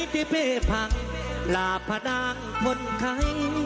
ที่เป้พังลาพนางคนไทย